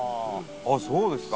あっそうですか。